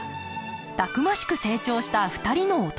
たくましく成長した２人の弟。